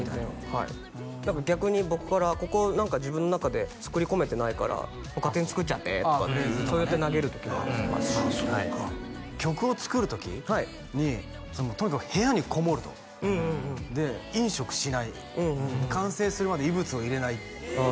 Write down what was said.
はい何か逆に僕からここ自分の中で作り込めてないから勝手に作っちゃってとかそうやって投げる時もありますし曲を作る時にとにかく部屋にこもるとで飲食しない完成するまで異物を入れないああ